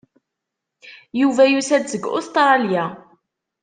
Yuba yusa-d seg Ustṛalya.